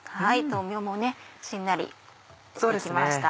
豆苗もしんなりして来ました。